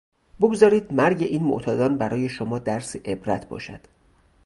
بگذارید مرگ این معتادان برای شما درس عبرت باشد.